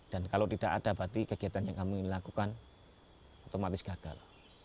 kalau tidak ada berarti kegiatan yang kami lakukan otomatis gagal